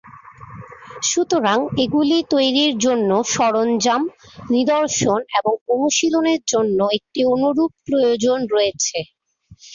সুতরাং এগুলি তৈরির জন্য সরঞ্জাম, নিদর্শন এবং অনুশীলনের জন্য একটি অনুরূপ প্রয়োজন রয়েছে।